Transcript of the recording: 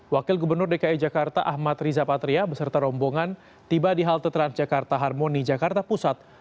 wakil gubernur dki jakarta ahmad riza patria beserta rombongan tiba di halte transjakarta harmoni jakarta pusat